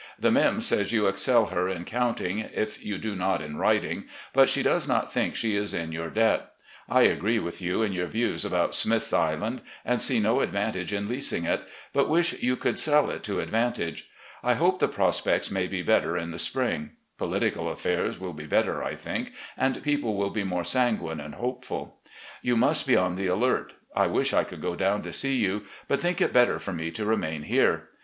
'The Mim' says you excel her in counting, if you do not in writing, but she does not think she is in your debt. I agree with you in yottr views about Smith's Island, and see no advantage in leasing it, but wish you could sell it to advantage. I hope the prospects may be better in the spring. Political affairs will be better, I think, and people will be more sanguine and hopeful. You must be on the alert. I wish I could go down to see you, but think it better for me to remain here.